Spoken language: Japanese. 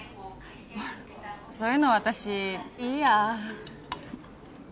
そういうの私いいや。